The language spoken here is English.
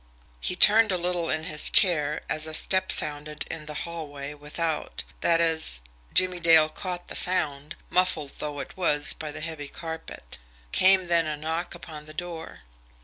He turned a little in his chair as a step sounded in the hallway without that is, Jimmie Dale caught the sound, muffled though it was by the heavy carpet. Came then a knock upon the door.